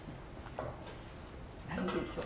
何でしょう？